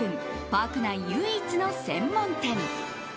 パーク内唯一の専門店。